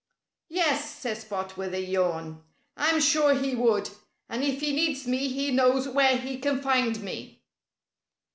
"Yes!" said Spot with a yawn. "I'm sure he would. And if he needs me he knows where he can find me."